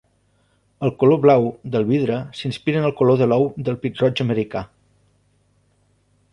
El color blau del vidre s'inspira en el color de l’ou del Pit-roig americà.